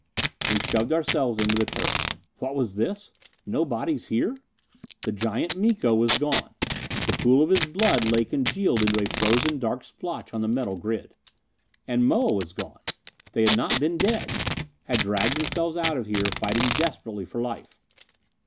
We shoved ourselves into the turret. What was this? No bodies here! The giant Miko was gone! The pool of his blood lay congealed into a frozen dark splotch on the metal grid. And Moa was gone! They had not been dead. Had dragged themselves out of here, fighting desperately for life.